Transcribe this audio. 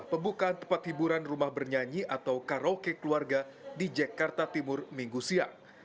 pembukaan tempat hiburan rumah bernyanyi atau karaoke keluarga di jakarta timur minggu siang